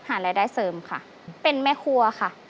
หารายได้เสริมค่ะเป็นแม่ครัวค่ะ